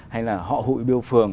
hay là họ hụi biêu phường